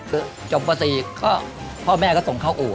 คือจบประสิทธิ์ก็พ่อแม่ก็ส่งเข้าอู่